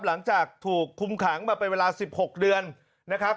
หลังจากถูกคุมขังมาเป็นเวลา๑๖เดือนนะครับ